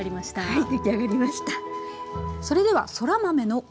はい。